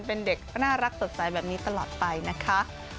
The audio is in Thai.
เป็นเด็กน่ารักสดใสแบบนี้ตลอดไปนะคะ